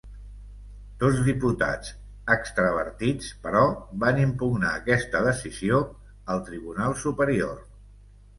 Dos diputats extravertits, però, van impugnar aquesta decisió al Tribunal Superior.